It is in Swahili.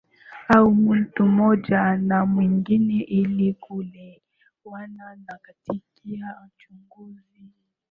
Au mtu mmoja na mwingine ili kuelewana na katikia shughuli zao